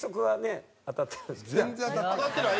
全然当たってない。